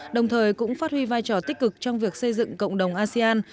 đồng thời cũng phát huy vai trò tích cực trong việc xây dựng cộng đồng asean